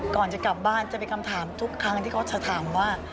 ก่อนจะกลับบ้านจะเป็นคำถามทุกครั้งที่เขาจะถามว่า